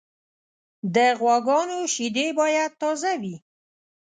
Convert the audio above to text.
د غواګانو شیدې باید تازه وي.